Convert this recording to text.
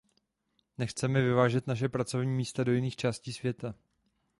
Nechceme vyvážet naše pracovní místa do jiných částí světa.